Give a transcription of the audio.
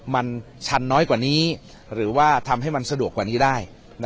มันชันน้อยกว่านี้หรือว่าทำให้มันสะดวกกว่านี้ได้